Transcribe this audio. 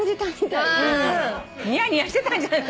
ニヤニヤしてたんじゃない？